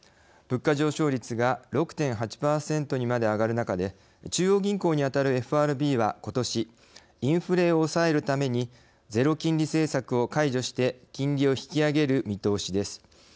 物価上昇率が６．８％にまで上がる中で中央銀行に当たるＦＲＢはことしインフレを抑えるためにゼロ金利政策を解除して金利を引き上げる見通しです。